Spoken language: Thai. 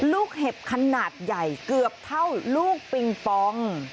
เห็บขนาดใหญ่เกือบเท่าลูกปิงปอง